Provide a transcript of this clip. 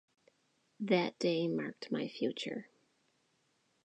That day marked my future.